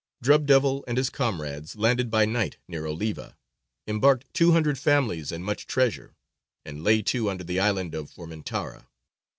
"Drub Devil" and his comrades landed by night near Oliva, embarked two hundred families and much treasure, and lay to under the island of Formentara.